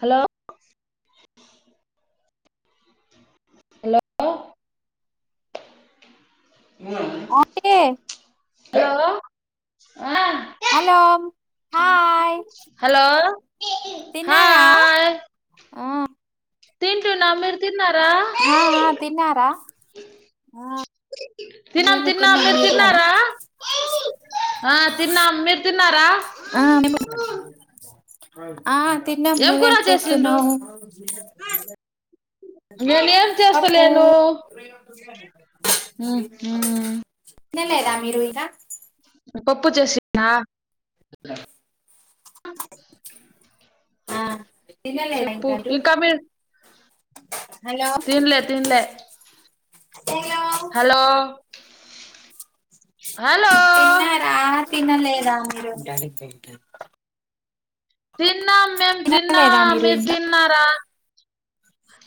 Hello hello అంటే hello ఆ hello hi hello తిన్నారా హాయ్ ఆ తింటున్న మీరు తి న్నారా ఆ ఆ తిన్నారా తిన తిన్నా మీరు తిన్నారా తిన్నా మీరు తిన్నారా మేము ఆ ఆ తిన్నాము ఏం కూర నువ్వేం చేసిండ్రు చేస్తున్నావు నేను ఏం పప్పు బడి [unintelligible] ఉహుం తినలేదా మీరు ఇంకా పప్పు చేసినా ఆ తినలేదా చెప్పు మీరు ఇంకా మీ తిన్లే తిన్లే అ [unintelligible] హలో హలో తిన్నారా తినలేదా మీరు ఫ [unintelligible] తిన్నాం మేము తినలేదా తిన్నాం మీరు ఇంకా తిన్నారా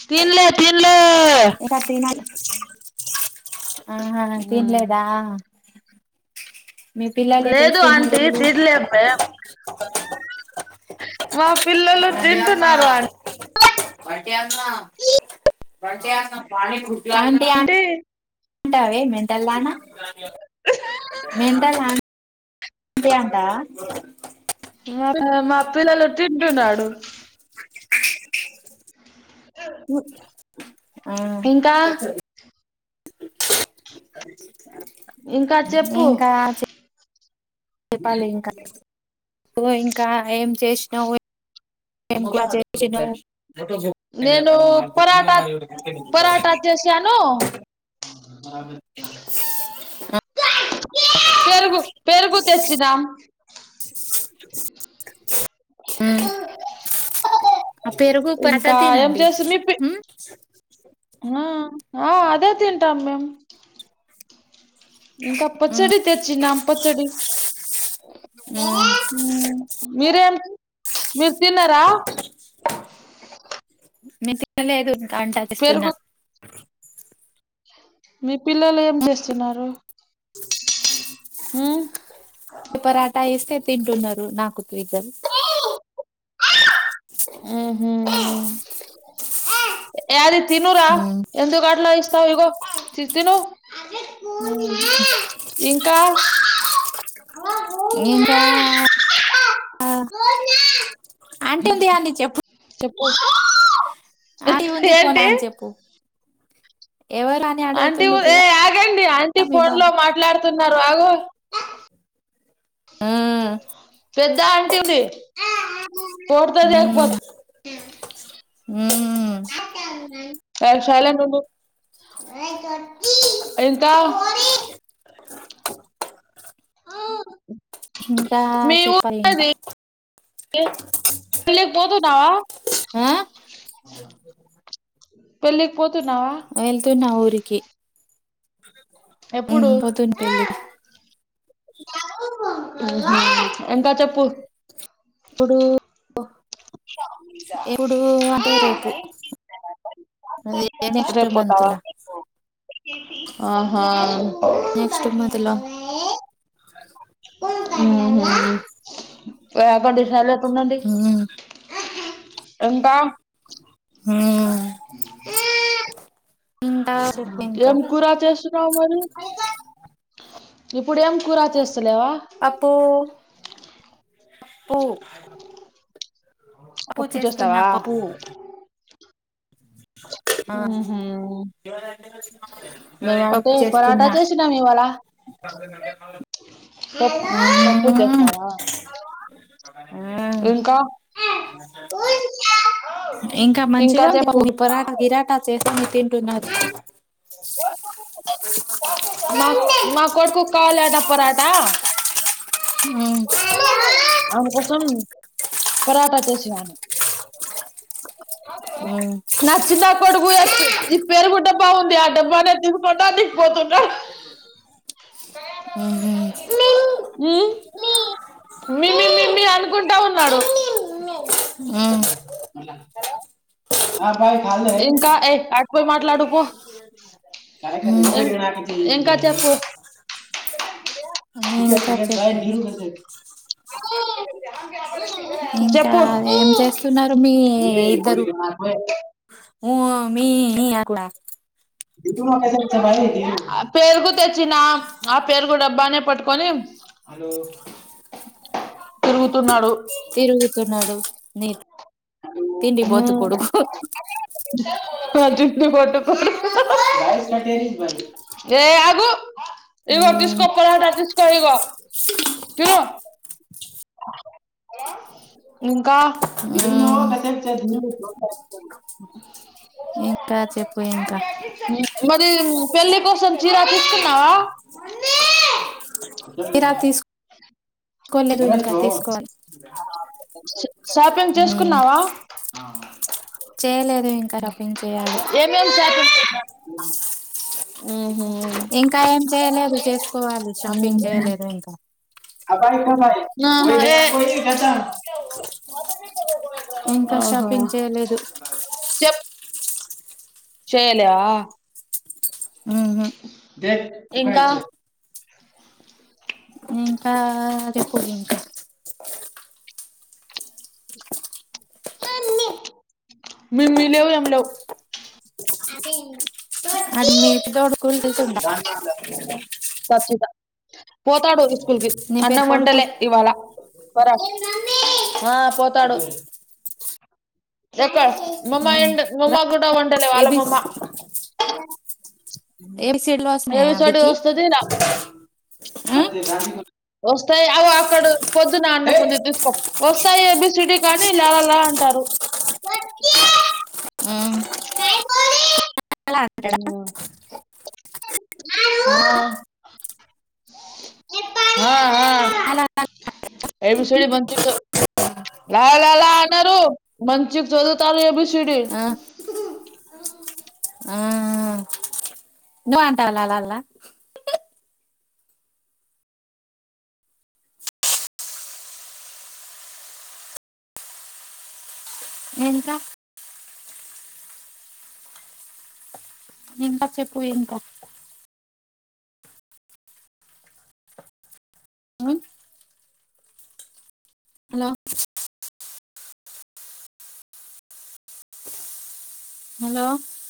తిన్లే తిన్లే ఇంకా [inaudible] ఆహా తినలేదా మీ పిల్లలు ఏం లేదు ఆంటీ చేస్తున్నారు తినాలేమేం వా పిల్లలు తింటున్నారు అని వాటి నా పని చేస్తున్నాం పాని పూరి అంటి ఆంటీ మెంటల్ దాన మెంతల్ అంతందా [unintelligible] మా మా మా పిల్లలు [unintelligible] తింటున్నాడు ఆ ఇంకా ఇంకా చెప్పు ఇంకా చెప్పాలి ఇంకా ఓ ఇంకా ఏం చేస్ నా ఓయి ఏ క్లాస చేసిండు నేను పరాటా పరాటా చేసాను ఆ పెరుగు పెరుగు తెచ్చిదాం మ్మ్ పెరుగు పెరక ఇంకా ఏం తినండి చేసి మీ పి ఆ ఆ అదే తింటాం మేమ్ ఇంకా ఉమ్ పచ్చడి తెచ్చినం పచ్చడి ఉమ్ మీరేం మీరు తిన్నారా మీ తి లేదు ఇంకా వంట చేస్తున్న పెరుగు మీ పిల్లలు ఏం చేస్తున్నారు ఉమ్ పరాఠా ఏస్తే తింటున్నారు నా కుత్వికన్ హ్మ్ హు యధిత్ తినూరా ఉమ్ ఎందు గట్లా ఇష్ట స్త ఇగో తి తిను ఇంకా ఇంకా పో ఆంటి ఉంది గా అన్నీ చెప్ చెప్పచ్చ ఆంటీ ఉంది పోనా ఏంటి అని చెప్పు ఎవరు అని అంటీ అడుగుతుండు ఏ కదా ఆగండి అంటీ మీ ఫోన్ బాబు లో మాట్లాడుతున్నారు తాగు ఆ పెద్ద అంటీ ఉంది ఉమ్ [inaudible] ఉమ్ ఎంత ఇంకా చెప్పాలి ఇంకా మళ్ళీ పోతున్నావా ఆ పెళ్లి కి పోతున్నావా వెళ్తున్న ఊరికి పోతున్న పెళ్లికి ఎంకా చెప్పు ఇప్పుడు ఎప్పుడు అంటే రేపు అద నెక్స్ట్ రేపు పోతావా మంత్లా ఆహా నెక్స్ట్ మంత్ లో కాటిాల వకండి చాల తన్నండి ఉమ్ ఎంతా ఆ ఇంకా చెప్పు ఇంకా ఏం కూర చేస్తున్నావు మరి ఇప్పుడేం కూర చేస్త అప్ప ఓ పప్పు చేస్తున్న పప్పు ఆ ఉహు మేమంటే పప్పు పరాటా చేస్తున్నా చేసినాం చెప్పు ఉమ్ సప్పుట్ చేస్తారా ఆ ఇంకా ఇంకా మంచిగా ఉ పూలు పరాట గిరాటా చేస్త ప కుడున్నారు బ మా మా కొడుకు కావాలంట పరాట అ పరాఠా చేసినాను ఉమ్ నా చిన్న కొడుకు తెచ్చి ఈ పేరుగు డబ్బా ఉంది అని [unintelligible] హుహు మి మిమి అనుకుంటా ఉన్నాడు ఉమ్, [unintelligible] హలో [unintelligible] ఇంకా ఏ ఆటుపోయి మాట్లాడుపో కార ఉమ్. [unintelligible] ఇంకా చెప్పు ఇంకా చెప్పు [unintelligible] [unintelligible] ఇంకా చెప్పు ఏం చేస్తున్నారు మీ ఇద్దరు ఉ మీ అట్లా పేరుగు తెచ్చినా ఆ పేరుగు డబ్బానే పట్టుకొని తిరుగుతున్నాడు. తిరుగుతున్నాడు నీ తిండి హు బోతు కొడుకు నా జట్టు పట్టుకొని [unintelligible] ఏ ఆగు ఇగో ఉమ్, తీస్కో పరాటా తీస్కో ఇగో తీను ఇంకా [unintelligible] ఉమ్. ఇంకా చెప్పు ఇంకా [unintelligible] మరి పెళ్లి [unintelligible] చిరా తీసుకున్నావా మమ్మీ తీరా [unintelligible] తీసుకోలేదు ఇంకా తీసుకోవాలి షాపింగ్ ఉమ్, చేసుకున్నావా ఆ చేయలేదు ఇంకా షాపింగ్ చేయాలి ఏం ఏం షాపింగ్ ఆహ ఇంకా ఏం చేయలేదు చేసుకోవాలి షాపింగ్ చేయలేదు ఇంకా అబాయి [unintelligible] ఇంకా షాపింగ్ చేయలేదు చేయలే ఆహ ఇంకా ఇంకా చెప్పు ఇంటా మిమ్మీ లేవు ఎమీ లేవు ఖచ్చితంగా [unintelligible] పోతాడు కి నీ పెద్ద అన్నం కొడుకు వండలే ఇవాళ ఆ పోతాడు ఆ, రా [unintelligible] కూడా వండలే ఏబి వాళ్ళమమ్మా ఏబిసిడ్లు ఎ వస్తున్నాయి విషవాటి ఆవిడికి వస్థది ఈడ ఆ? వస్తాయి అవు అక్కడ పొద్దున అంటకు తీసుకో వస్తాయి ఏ బి సిడి కానీ లాలా అంటారు ఆ, అలా [unintelligible] అంటాడా ఆ ఆ ఆ అలా అలా. ఏ బి సి డి బంత ల అనరు మంచిగ చదువుతాడు ఏబి సీ డి ఆ, బాంటావాల అలా ఎంట ఇంకా చెప్పు ఇంకా ఉం? Hello hello